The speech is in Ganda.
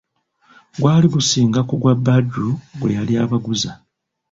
Gwali gusinga ku gwa Badru gwe yali abaguza!